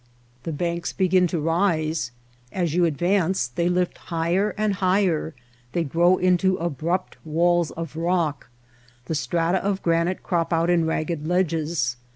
The banks begin to rise. As you advance they lift higher and higher, they grow into abrupt walls of rock ; the strata of granite crop out in ragged ledges.